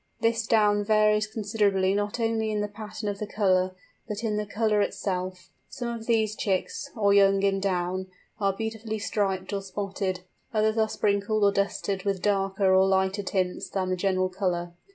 This down varies considerably not only in the pattern of the colour, but in the colour itself. Some of these chicks, or young in down, are beautifully striped or spotted; others are sprinkled or dusted with darker or lighter tints than the general colour.